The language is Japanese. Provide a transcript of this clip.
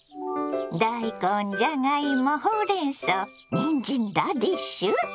大根じゃがいもほうれんそうにんじんラディッシュ！